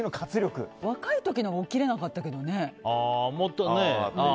若い時のほうが起きられなかったけどね。